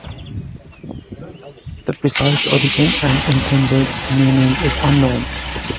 The precise origin and intended meaning is unknown.